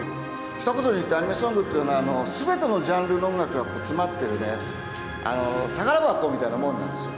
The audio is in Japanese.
ひと言で言って、アニソンというのは、すべてのジャンルの音楽が詰まってるね、宝箱みたいなもんなんですよ。